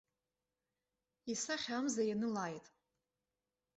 Исахьа амза ианылааит!